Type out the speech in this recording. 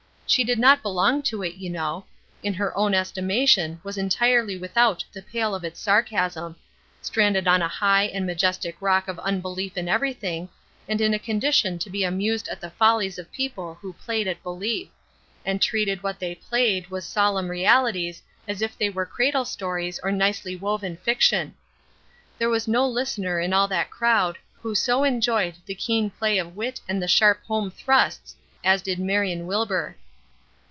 She did not belong to it, you know; in her own estimation was entirely without the pale of its sarcasm; stranded on a high and majestic rock of unbelief in everything, and in a condition to be amused at the follies of people who played at belief; and treated what they played was solemn realities as if they were cradle stories or nicely woven fiction. There was no listener in all that crowd who so enjoyed the keen play of wit and the sharp home thrusts as did Marion Wilbur.